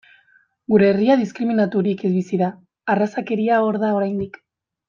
Gure herria diskriminaturik bizi da, arrazakeria hor da oraindik.